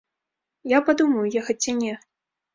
Я падумаю ехаць ці не.